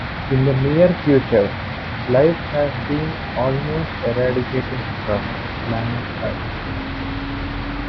In the near future, life has been almost eradicated form planet Earth.